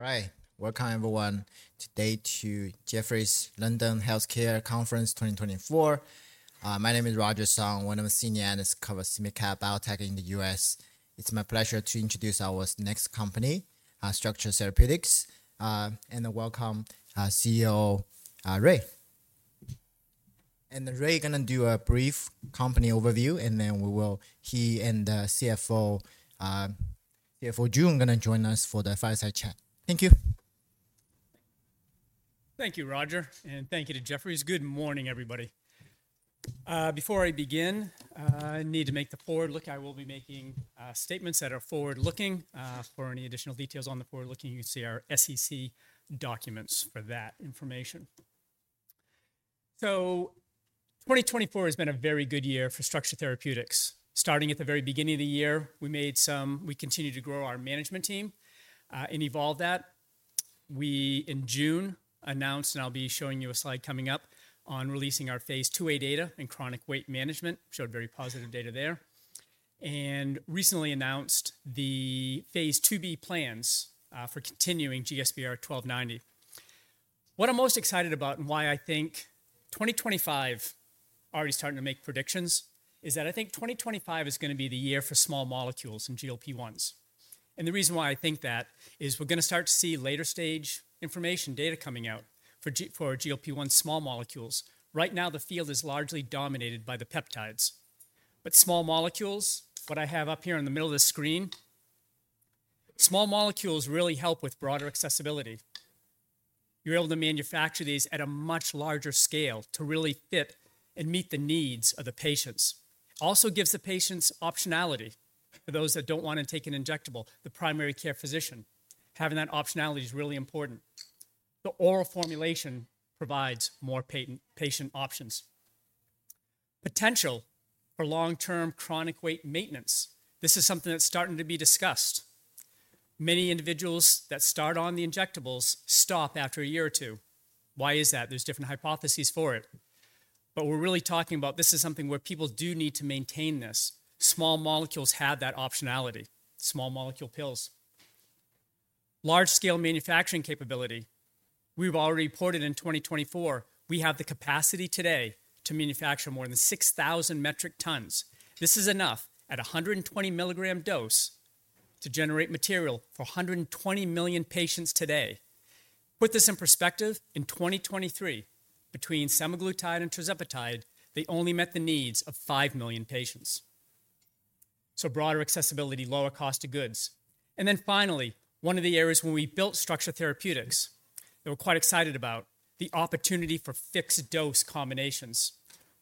Right. Welcome, everyone, today to Jefferies' London Healthcare Conference 2024. My name is Roger Song, one of the senior analysts covering biotech in the US. It's my pleasure to introduce our next company, Structure Therapeutics, and welcome CEO Ray, and Ray is going to do a brief company overview, and then we will—he and CFO Jun are going to join us for the fireside chat. Thank you. Thank you, Roger, and thank you to Jefferies. Good morning, everybody. Before I begin, I need to make the forward look. I will be making statements that are forward-looking. For any additional details on the forward-looking, you can see our SEC documents for that information. So 2024 has been a very good year for Structure Therapeutics. Starting at the very beginning of the year, we continued to grow our management team and evolve that. We, in June, announced (and I'll be showing you a slide coming up) on releasing our phase II-A data and chronic weight management. Showed very positive data there. And recently announced the phase II-B plans for continuing GSBR-1290. What I'm most excited about and why I think 2025 (I'm already starting to make predictions) is that I think 2025 is going to be the year for small molecules and GLP-1s. The reason why I think that is we're going to start to see later-stage information, data coming out for GLP-1 small molecules. Right now, the field is largely dominated by the peptides. But small molecules, what I have up here in the middle of the screen, small molecules really help with broader accessibility. You're able to manufacture these at a much larger scale to really fit and meet the needs of the patients. It also gives the patients optionality for those that don't want to take an injectable, the primary care physician. Having that optionality is really important. The oral formulation provides more patient options. Potential for long-term chronic weight maintenance. This is something that's starting to be discussed. Many individuals that start on the injectables stop after a year or two. Why is that? There's different hypotheses for it. But we're really talking about this. This is something where people do need to maintain this. Small molecules have that optionality. Small molecule pills. Large-scale manufacturing capability. We've already reported in 2024, we have the capacity today to manufacture more than 6,000 metric tons. This is enough at a 120 mg dose to generate material for 120 million patients today. Put this in perspective, in 2023, between semaglutide and tirzepatide, they only met the needs of five million patients. So broader accessibility, lower cost of goods. And then finally, one of the areas when we built Structure Therapeutics, they were quite excited about the opportunity for fixed dose combinations.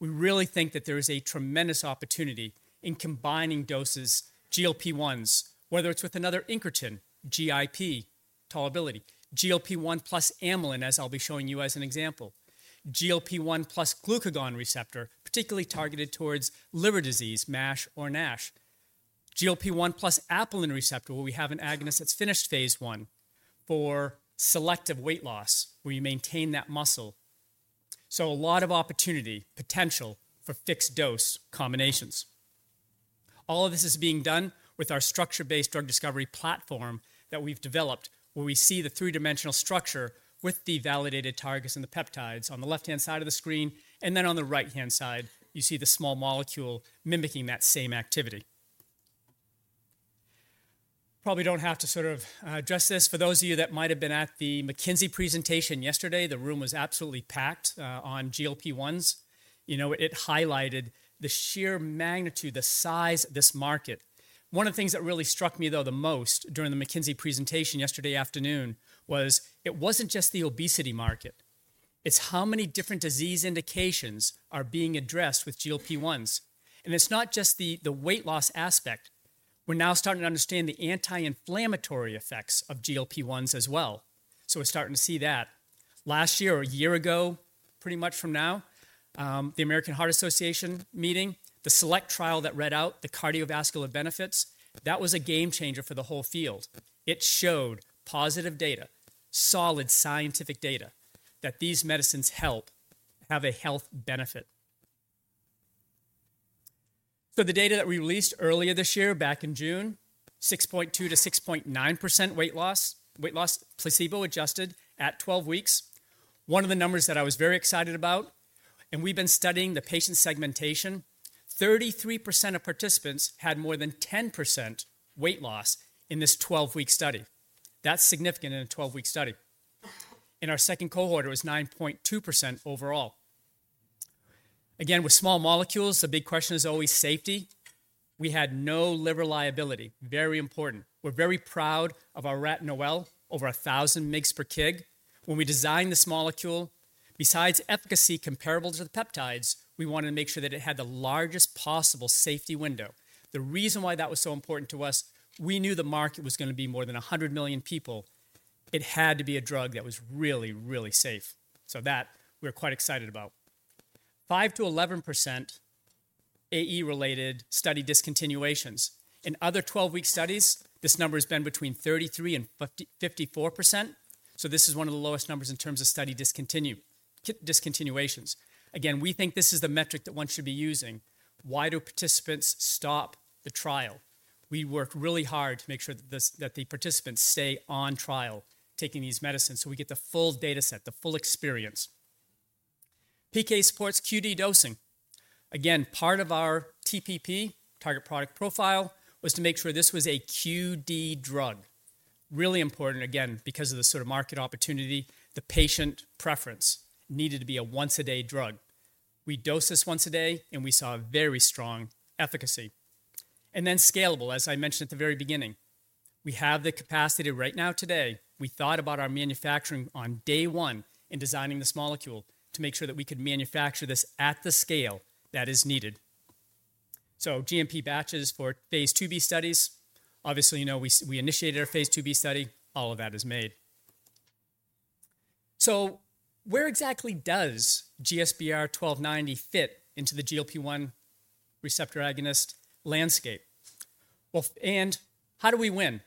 We really think that there is a tremendous opportunity in combining doses, GLP-1s, whether it's with another incretin, GIP, tolerability, GLP-1 plus amylin, as I'll be showing you as an example, GLP-1 plus glucagon receptor, particularly targeted towards liver disease, MASH or NASH, GLP-1 plus apelin receptor, where we have an agonist that's finished phase I for selective weight loss, where you maintain that muscle. So a lot of opportunity, potential for fixed dose combinations. All of this is being done with our structure-based drug discovery platform that we've developed, where we see the three-dimensional structure with the validated targets and the peptides on the left-hand side of the screen, and then on the right-hand side, you see the small molecule mimicking that same activity. Probably don't have to sort of address this. For those of you that might have been at the McKinsey presentation yesterday, the room was absolutely packed on GLP-1s. It highlighted the sheer magnitude, the size of this market. One of the things that really struck me, though, the most during the McKinsey presentation yesterday afternoon was it wasn't just the obesity market. It's how many different disease indications are being addressed with GLP-1s. And it's not just the weight loss aspect. We're now starting to understand the anti-inflammatory effects of GLP-1s as well. So we're starting to see that. Last year or a year ago, pretty much from now, the American Heart Association meeting, the SELECT trial that read out the cardiovascular benefits, that was a game changer for the whole field. It showed positive data, solid scientific data, that these medicines help have a health benefit. So the data that we released earlier this year, back in June, 6.2%-6.9% weight loss, weight loss placebo adjusted at 12 weeks. One of the numbers that I was very excited about, and we've been studying the patient segmentation, 33% of participants had more than 10% weight loss in this 12-week study. That's significant in a 12-week study. In our second cohort, it was 9.2% overall. Again, with small molecules, the big question is always safety. We had no liver liability. Very important. We're very proud of our NOAEL, over 1,000 mg per kg. When we designed this molecule, besides efficacy comparable to the peptides, we wanted to make sure that it had the largest possible safety window. The reason why that was so important to us, we knew the market was going to be more than 100 million people. It had to be a drug that was really, really safe, so that we're quite excited about. 5%-11% AE-related study discontinuations. In other 12-week studies, this number has been between 33% and 54%, so this is one of the lowest numbers in terms of study discontinuations. Again, we think this is the metric that one should be using. Why do participants stop the trial? We work really hard to make sure that the participants stay on trial taking these medicines so we get the full data set, the full experience. PK supports QD dosing. Again, part of our TPP, target product profile, was to make sure this was a QD drug. Really important, again, because of the sort of market opportunity, the patient preference needed to be a once-a-day drug. We dose this once a day, and we saw a very strong efficacy. And then scalable, as I mentioned at the very beginning. We have the capacity right now today. We thought about our manufacturing on day one in designing this molecule to make sure that we could manufacture this at the scale that is needed. So GMP batches for phase II-B studies. Obviously, we initiated our phase II-B study. All of that is made. So where exactly does GSBR-1290 fit into the GLP-1 receptor agonist landscape? And how do we win?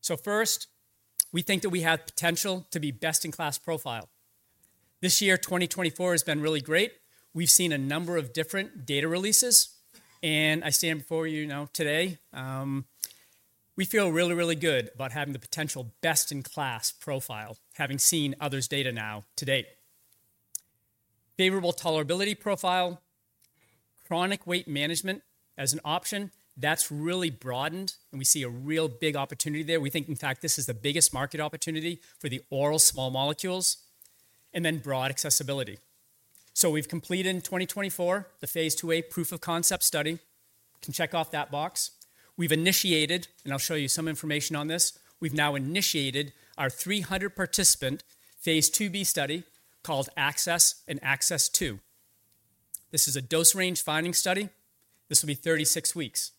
So first, we think that we have potential to be best-in-class profile. This year, 2024, has been really great. We've seen a number of different data releases. And I stand before you now today. We feel really, really good about having the potential best-in-class profile, having seen others' data now to date. Favorable tolerability profile, chronic weight management as an option, that's really broadened, and we see a real big opportunity there. We think, in fact, this is the biggest market opportunity for the oral small molecules. And then broad accessibility. So we've completed in 2024 the phase II-A proof of concept study. You can check off that box. We've initiated, and I'll show you some information on this. We've now initiated our 300-participant phase II-B study called ACCESS and ACCESS-2. This is a dose range finding study. This will be 36 weeks.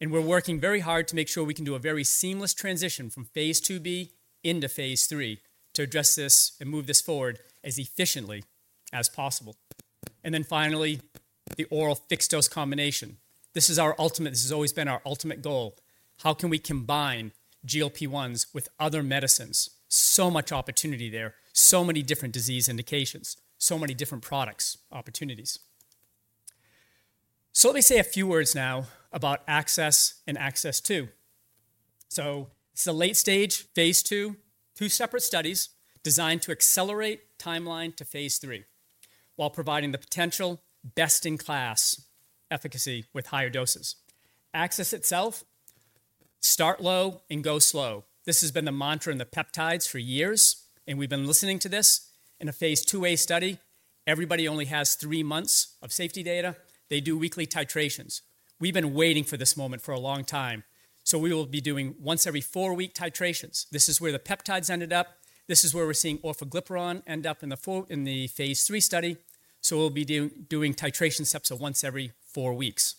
And we're working very hard to make sure we can do a very seamless transition from phase II-B into phase III to address this and move this forward as efficiently as possible. And then finally, the oral fixed dose combination. This is our ultimate. This has always been our ultimate goal. How can we combine GLP-1s with other medicines? So much opportunity there, so many different disease indications, so many different products, opportunities. Let me say a few words now about ACCESS and ACCESS-2. This is a late-stage phase II, two separate studies designed to accelerate timeline to phase III while providing the potential best-in-class efficacy with higher doses. ACCESS itself, start low and go slow. This has been the mantra in the peptides for years, and we've been listening to this. In a phase II-A study, everybody only has three months of safety data. They do weekly titrations. We've been waiting for this moment for a long time. We will be doing once every four-week titrations. This is where the peptides ended up. This is where we're seeing orforglipron end up in the phase III study. We'll be doing titration steps of once every four weeks.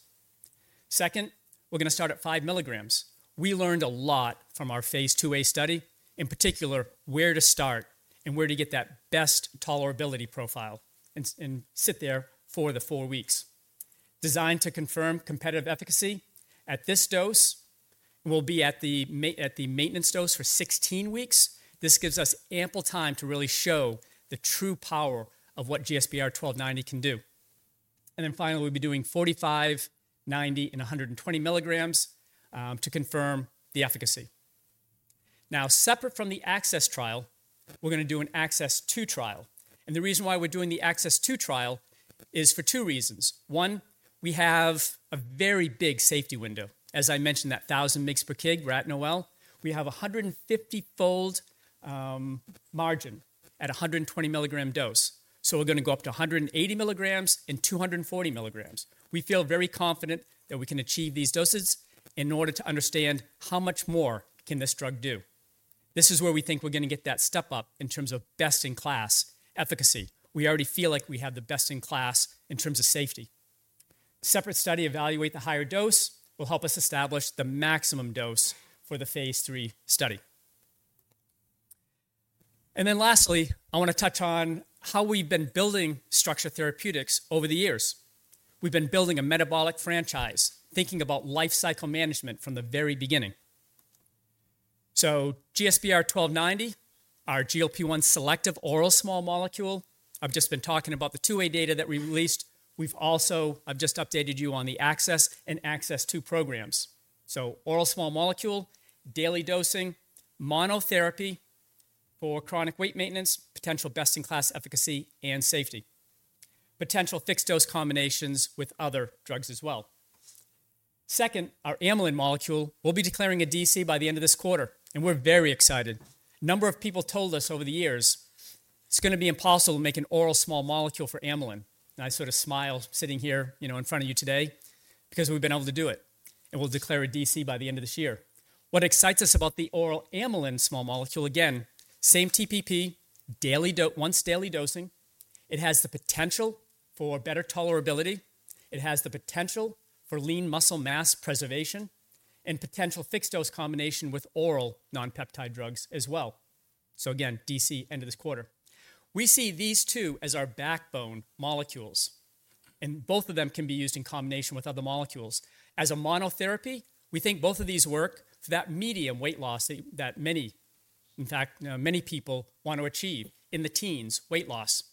Second, we're going to start at five mg. We learned a lot from our phase II-A study, in particular where to start and where to get that best tolerability profile and sit there for the four weeks. Designed to confirm competitive efficacy at this dose, we'll be at the maintenance dose for 16 weeks. This gives us ample time to really show the true power of what GSBR-1290 can do. And then finally, we'll be doing 45, 90, and 120 mg to confirm the efficacy. Now, separate from the ACCESS trial, we're going to do an ACCESS-2 trial. And the reason why we're doing the ACCESS-2 trial is for two reasons. One, we have a very big safety window. As I mentioned, that 1,000 mg per kg, NOAEL, we have a 150-fold margin at a 120 mg dose. So we're going to go up to 180 mg and 240 mg. We feel very confident that we can achieve these doses in order to understand how much more can this drug do. This is where we think we're going to get that step up in terms of best-in-class efficacy. We already feel like we have the best-in-class in terms of safety. Separate study evaluate the higher dose will help us establish the maximum dose for the phase III study. And then lastly, I want to touch on how we've been building Structure Therapeutics over the years. We've been building a metabolic franchise, thinking about lifecycle management from the very beginning. So GSBR-1290, our GLP-1 selective oral small molecule. I've just been talking about the 2A data that we released. We've also. I've just updated you on the ACCESS and ACCESS-2 programs. So oral small molecule, daily dosing, monotherapy for chronic weight maintenance, potential best-in-class efficacy and safety, potential fixed dose combinations with other drugs as well. Second, our amylin molecule. We'll be declaring a DC by the end of this quarter, and we're very excited. A number of people told us over the years, "It's going to be impossible to make an oral small molecule for amylin." And I sort of smile sitting here in front of you today because we've been able to do it. And we'll declare a DC by the end of this year. What excites us about the oral amylin small molecule, again, same TPP, daily once daily dosing. It has the potential for better tolerability. It has the potential for lean muscle mass preservation and potential fixed dose combination with oral non-peptide drugs as well. So again, DC end of this quarter. We see these two as our backbone molecules. And both of them can be used in combination with other molecules. As a monotherapy, we think both of these work for that medium weight loss that many, in fact, many people want to achieve in the teens weight loss.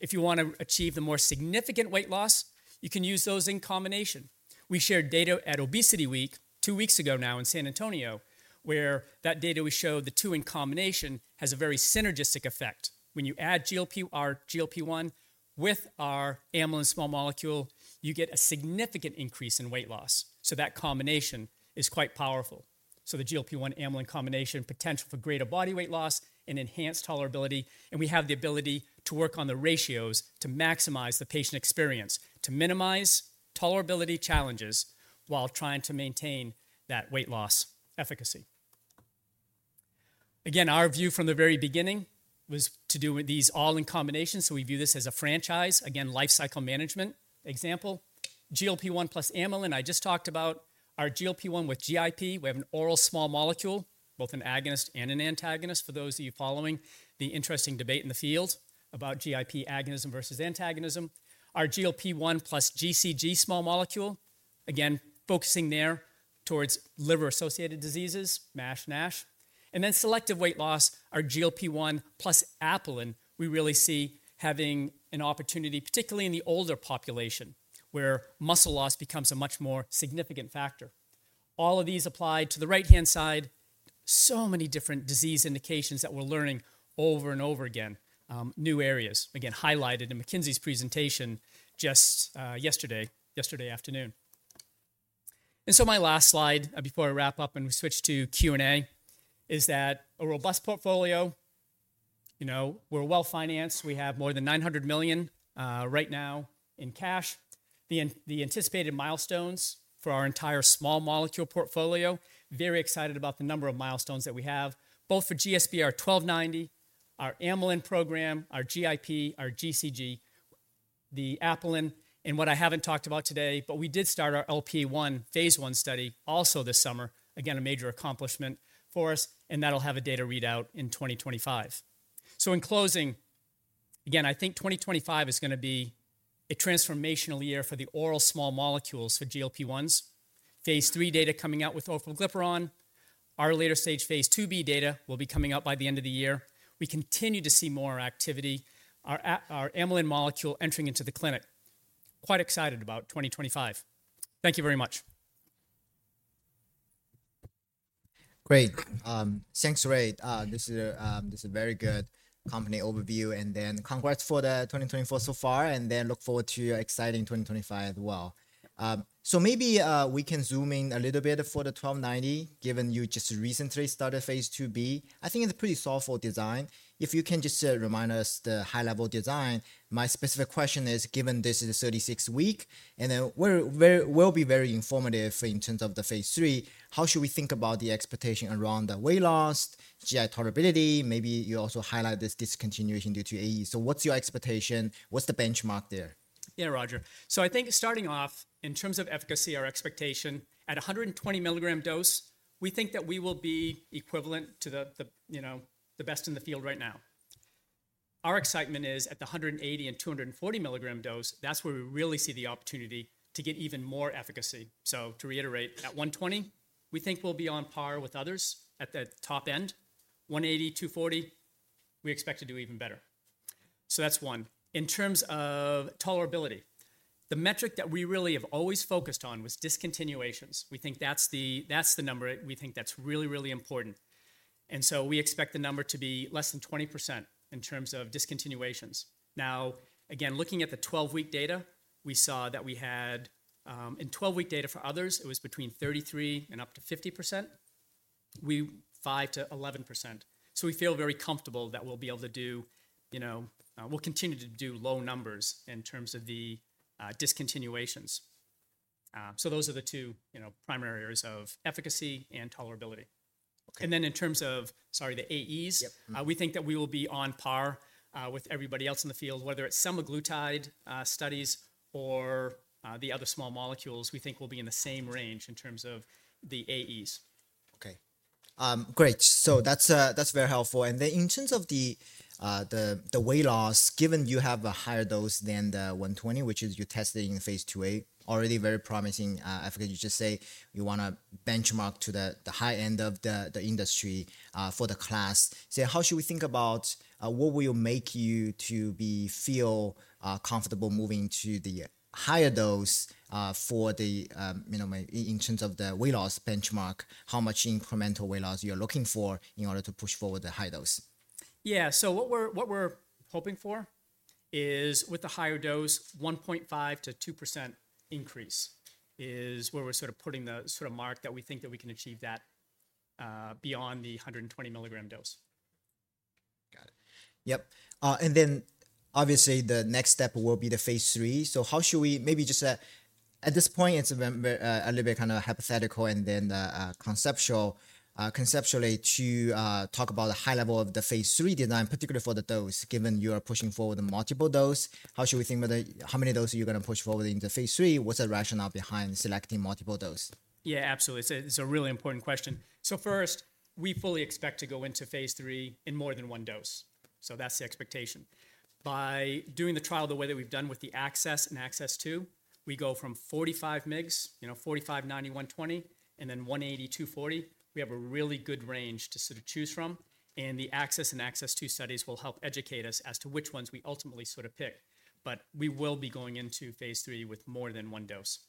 If you want to achieve the more significant weight loss, you can use those in combination. We shared data at ObesityWeek two weeks ago now in San Antonio, where that data we showed the two in combination has a very synergistic effect. When you add GLP-1 with our amylin small molecule, you get a significant increase in weight loss. So that combination is quite powerful. So the GLP-1 amylin combination potential for greater body weight loss and enhanced tolerability. We have the ability to work on the ratios to maximize the patient experience, to minimize tolerability challenges while trying to maintain that weight loss efficacy. Again, our view from the very beginning was to do these all in combination. We view this as a franchise, again, lifecycle management example. GLP-1 plus amylin. I just talked about our GLP-1 with GIP. We have an oral small molecule, both an agonist and an antagonist for those of you following the interesting debate in the field about GIP agonism versus antagonism. Our GLP-1 plus GCG small molecule, again, focusing there towards liver-associated diseases, MASH, NASH. Then selective weight loss, our GLP-1 plus apelin. We really see having an opportunity, particularly in the older population, where muscle loss becomes a much more significant factor. All of these apply to the right-hand side. So many different disease indications that we're learning over and over again, new areas, again, highlighted in McKinsey's presentation just yesterday, yesterday afternoon. And so my last slide before I wrap up and we switch to Q&A is that a robust portfolio. We're well-financed. We have more than $900 million right now in cash. The anticipated milestones for our entire small molecule portfolio, very excited about the number of milestones that we have, both for GSBR-1290, our amylin program, our GIP, our GCG, the apelin, and what I haven't talked about today, but we did start our LPA1 phase I study also this summer, again, a major accomplishment for us, and that'll have a data readout in 2025. So in closing, again, I think 2025 is going to be a transformational year for the oral small molecules for GLP-1s. Phase III data coming out with orforglipron. Our later stage phase II-B data will be coming out by the end of the year. We continue to see more activity, our amylin molecule entering into the clinic. Quite excited about 2025. Thank you very much. Great. Thanks, Ray. This is a very good company overview. And then congrats for the 2024 so far, and then look forward to your exciting 2025 as well. So maybe we can zoom in a little bit for the GSBR-1290, given you just recently started phase II-B. I think it's a pretty thoughtful design. If you can just remind us the high-level design, my specific question is, given this is a 36-week, and then we'll be very informative in terms of the phase III, how should we think about the expectation around the weight loss, GI tolerability? Maybe you also highlight this discontinuation due to AE. So what's your expectation? What's the benchmark there? Yeah, Roger. So I think starting off, in terms of efficacy, our expectation at a 120 mg dose, we think that we will be equivalent to the best in the field right now. Our excitement is at the 180 mg and 240 mg dose. That's where we really see the opportunity to get even more efficacy. So to reiterate, at 120, we think we'll be on par with others at the top end. 180, 240, we expect to do even better. So that's one. In terms of tolerability, the metric that we really have always focused on was discontinuations. We think that's the number we think that's really, really important. And so we expect the number to be less than 20% in terms of discontinuations. Now, again, looking at the 12-week data, we saw that in 12-week data for others, it was between 33% and up to 50%. We 5%-11%. So we feel very comfortable that we'll be able to do, we'll continue to do low numbers in terms of the discontinuations. So those are the two primary areas of efficacy and tolerability. And then in terms of, sorry, the AEs, we think that we will be on par with everybody else in the field, whether it's semaglutide studies or the other small molecules. We think we'll be in the same range in terms of the AEs. Okay. Great. So that's very helpful. And then in terms of the weight loss, given you have a higher dose than the 120, which you tested in phase II-A, already very promising efficacy. You just say you want to benchmark to the high end of the industry for the class. So how should we think about what will make you to feel comfortable moving to the higher dose for the—in terms of the weight loss benchmark, how much incremental weight loss you're looking for in order to push forward the high dose? Yeah. So what we're hoping for is with the higher dose, 1.5%-2% increase is where we're sort of putting the sort of mark that we think that we can achieve that beyond the 120 mg dose. Got it. Yep. And then obviously the next step will be the phase III. So how should we, maybe just at this point, it's a little bit kind of hypothetical and then conceptually to talk about the high level of the phase III design, particularly for the dose, given you are pushing forward the multiple dose. How should we think about how many doses you're going to push forward in the phase III? What's the rationale behind selecting multiple dose? Yeah, absolutely. It's a really important question. So first, we fully expect to go into phase III in more than one dose. So that's the expectation. By doing the trial the way that we've done with the ACCESS and ACCESS-2, we go from 45 mg, 90 mg, 120 mg, and then 180 mg, 240 mg. We have a really good range to sort of choose from. And the ACCESS and ACCESS-2 studies will help educate us as to which ones we ultimately sort of pick. But we will be going into phase III with more than one dose.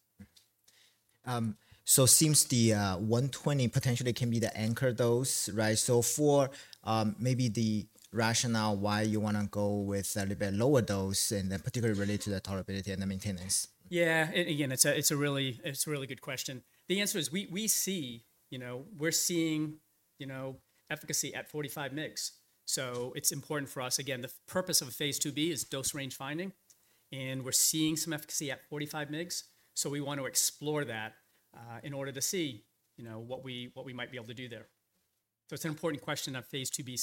So it seems the 120 mg potentially can be the anchor dose, right? So for maybe the rationale why you want to go with a little bit lower dose and then particularly related to the tolerability and the maintenance. Yeah. And again, it's a really good question. The answer is we see - we're seeing efficacy at 45 mg. So it's important for us. Again, the purpose of phase II-B is dose range finding. And we're seeing some efficacy at 45 mg. So we want to explore that in order to see what we might be able to do there. So it's an important question of phase II-B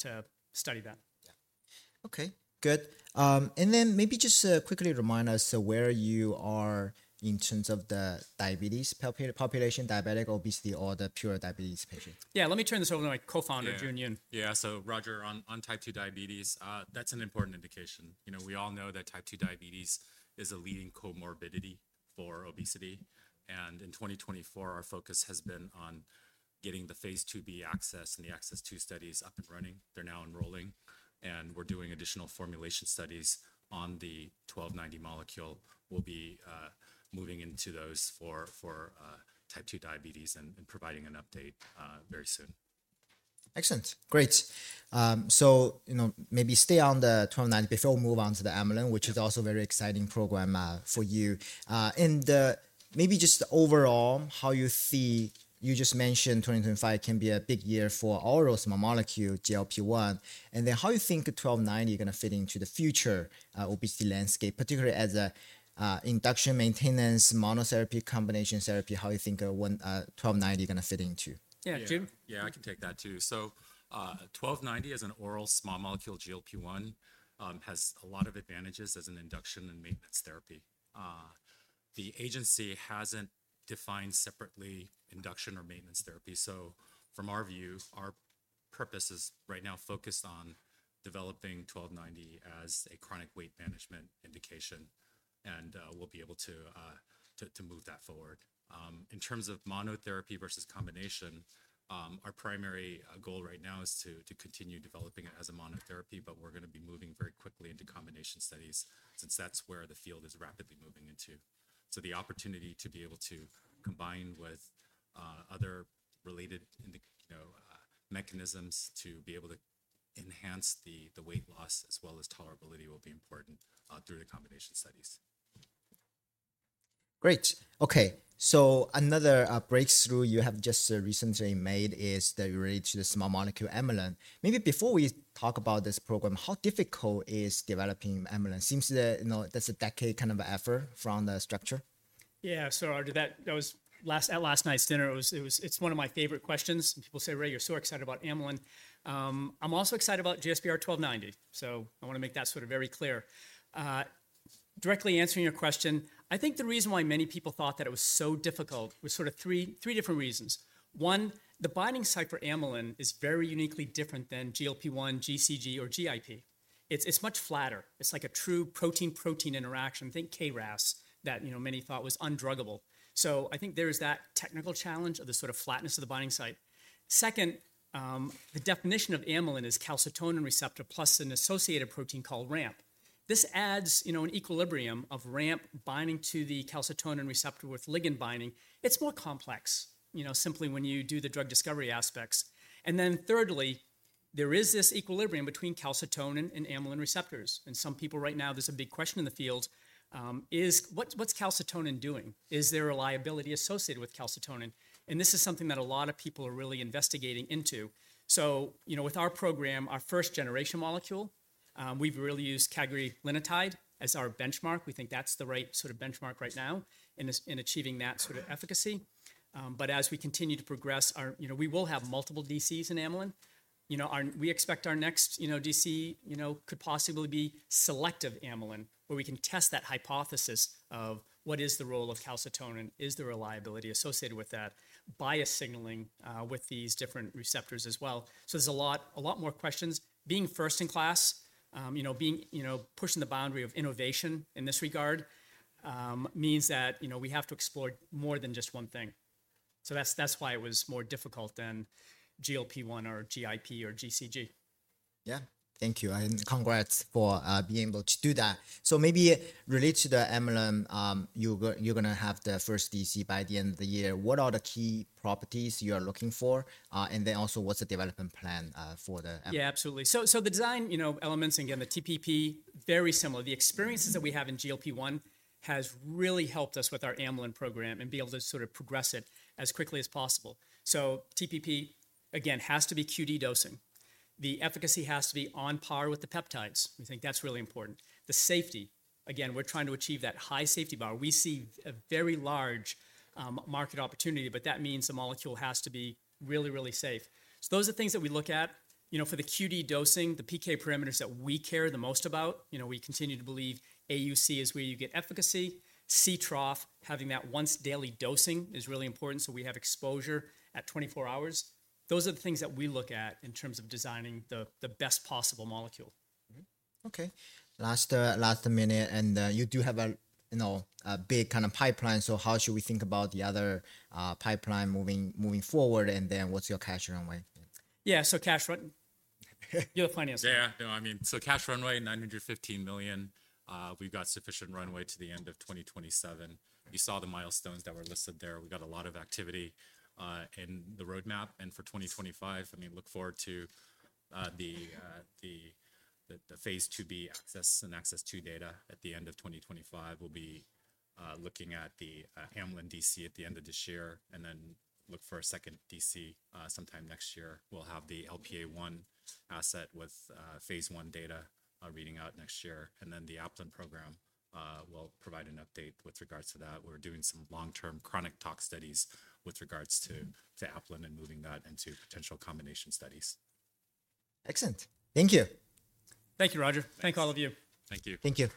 study to study that. Yeah. Okay. Good. And then maybe just quickly remind us where you are in terms of the diabetes population, diabetic, obesity, or the pure diabetes patient. Yeah. Let me turn this over to my co-founder, Jun Yoon. Yeah. So Roger on type 2 diabetes. That's an important indication. We all know that type 2 diabetes is a leading comorbidity for obesity, and in 2024, our focus has been on getting the phase II-B ACCESS and the ACCESS-2 studies up and running. They're now enrolling, and we're doing additional formulation studies on the GSBR-1290 molecule. We'll be moving into those for type 2 diabetes and providing an update very soon. Excellent. Great. So maybe stay on the GSBR-1290 before we move on to the amylin, which is also a very exciting program for you, and maybe just overall, how you see, you just mentioned 2025 can be a big year for oral small molecule, GLP-1. And then how you think GSBR-1290 is going to fit into the future obesity landscape, particularly as an induction maintenance monotherapy combination therapy, how you think GSBR-1290 is going to fit into? Yeah, Jun. Yeah, I can take that too. So GSBR-1290 as an oral small molecule GLP-1 has a lot of advantages as an induction and maintenance therapy. The agency hasn't defined separately induction or maintenance therapy. So from our view, our purpose is right now focused on developing GSBR-1290 as a chronic weight management indication. And we'll be able to move that forward. In terms of monotherapy versus combination, our primary goal right now is to continue developing it as a monotherapy, but we're going to be moving very quickly into combination studies since that's where the field is rapidly moving into. So the opportunity to be able to combine with other related mechanisms to be able to enhance the weight loss as well as tolerability will be important through the combination studies. Great. Okay. So another breakthrough you have just recently made is related to the small molecule amylin. Maybe before we talk about this program, how difficult is developing amylin? Seems that that's a decade kind of effort from Structure. Yeah. So Roger, that was at last night's dinner. It's one of my favorite questions. People say, "Ray, you're so excited about amylin." I'm also excited about GSBR-1290. So I want to make that sort of very clear. Directly answering your question, I think the reason why many people thought that it was so difficult was sort of three different reasons. One, the binding site for amylin is very uniquely different than GLP-1, GCG, or GIP. It's much flatter. It's like a true protein-protein interaction. Think KRAS that many thought was undruggable. So I think there is that technical challenge of the sort of flatness of the binding site. Second, the definition of amylin is calcitonin receptor plus an associated protein called RAMP. This adds an equilibrium of RAMP binding to the calcitonin receptor with ligand binding. It's more complex simply when you do the drug discovery aspects. And then thirdly, there is this equilibrium between calcitonin and amylin receptors. And some people right now, there's a big question in the field is what's calcitonin doing? Is there a reliability associated with calcitonin? And this is something that a lot of people are really investigating into. So with our program, our first-generation molecule, we've really used cagrilintide as our benchmark. We think that's the right sort of benchmark right now in achieving that sort of efficacy. But as we continue to progress, we will have multiple DCs in amylin. We expect our next DC could possibly be selective amylin, where we can test that hypothesis of what is the role of calcitonin, is there a liability associated with that, biased signaling with these different receptors as well. So there's a lot more questions. Being first in class, pushing the boundary of innovation in this regard means that we have to explore more than just one thing. So that's why it was more difficult than GLP-1 or GIP or GCG. Yeah. Thank you. And congrats for being able to do that. So maybe related to the amylin, you're going to have the first DC by the end of the year. What are the key properties you are looking for? And then also, what's the development plan for the amylin? Yeah, absolutely. So the design elements and again, the TPP, very similar. The experiences that we have in GLP-1 has really helped us with our amylin program and be able to sort of progress it as quickly as possible. So TPP, again, has to be QD dosing. The efficacy has to be on par with the peptides. We think that's really important. The safety, again, we're trying to achieve that high safety bar. We see a very large market opportunity, but that means the molecule has to be really, really safe. So those are the things that we look at. For the QD dosing, the PK parameters that we care the most about, we continue to believe AUC is where you get efficacy. C_trough, having that once-daily dosing is really important. So we have exposure at 24 hours. Those are the things that we look at in terms of designing the best possible molecule. Okay. Last minute. And you do have a big kind of pipeline. So how should we think about the other pipeline moving forward? And then what's your cash runway? Yeah. So cash runway, you have plenty of stuff. Yeah. No, I mean, so cash runway, $915 million. We've got sufficient runway to the end of 2027. You saw the milestones that were listed there. We got a lot of activity in the roadmap. And for 2025, I mean, look forward to the phase II-B ACCESS and ACCESS-2 data at the end of 2025. We'll be looking at the amylin DC at the end of this year and then look for a second DC sometime next year. We'll have the LPA-1 asset with phase I data reading out next year. And then the apelin program will provide an update with regards to that. We're doing some long-term chronic tox studies with regards to apelin and moving that into potential combination studies. Excellent. Thank you. Thank you, Roger. Thank all of you. Thank you. Thank you.